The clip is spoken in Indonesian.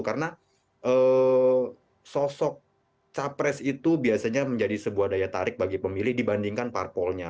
karena sosok capres itu biasanya menjadi sebuah daya tarik bagi pemilih dibandingkan parpolnya